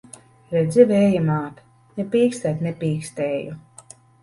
Redzi, Vēja māt! Ne pīkstēt nepīkstēju!